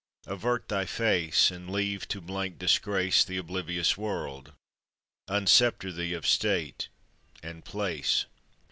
avert thy face, And leave to blank disgrace The oblivious world! unsceptre thee of state and place!